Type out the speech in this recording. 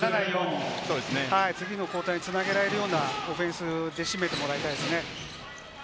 次のクオーターにつなげられるようなオフェンスで締めてもらいたいですね。